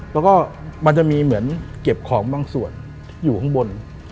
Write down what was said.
แล้วก็มันจะมีเหมือนเก็บของบางส่วนอยู่ข้างบน